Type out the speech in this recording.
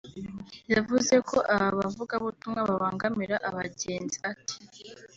yavuze ko aba bavugabutumwa babangamira abagenzi ; ati